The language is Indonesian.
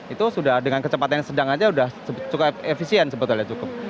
itu sudah dengan kecepatan yang sedang saja sudah cukup efisien sebetulnya cukup